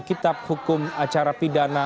kitab hukum acara pidana